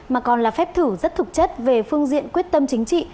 mà còn là phép thử rất thực chất về phương diện quyết tâm chính trị